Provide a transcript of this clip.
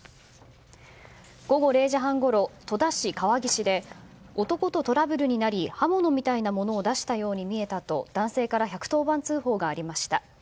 午後０時半ごろ戸田市で男とトラブルになり刃物みたいなものを出したように見えたと男性から１１０番通報がありました。